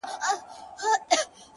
o د غلا خبري پټي ساتي ـ